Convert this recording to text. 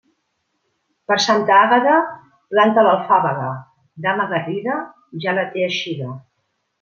Per Santa Àgueda, planta l'alfàbega; dama garrida, ja la té eixida.